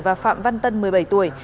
và phạm văn tân một mươi bảy tuổi